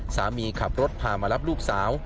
สามีขับรถพามารับลูกสาว